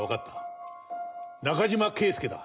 中島圭介だ。